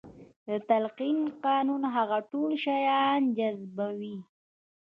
د تلقين قانون هغه ټول شيان جذبوي.